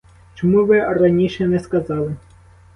Чому ви раніше не сказали?